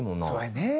そうやね。